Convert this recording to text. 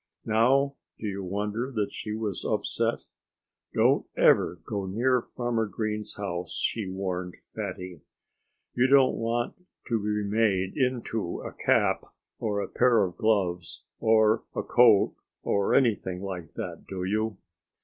Now do you wonder that she was upset? "Don't ever go near Farmer Green's house," she warned Fatty. "You don't want to be made into a cap, or a pair of gloves, or a coat, or anything like that, do you?"